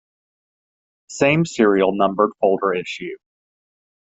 Same-serial numbered folder issue.